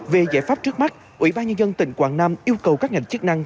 về giải pháp trước mắt ủy ban nhân dân tỉnh quảng nam yêu cầu các ngành chức năng